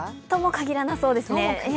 とも限らなそうですね。